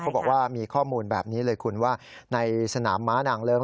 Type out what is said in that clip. บอกว่ามีข้อมูลแบบนี้เลยคุณว่าในสนามม้านางเลิ้ง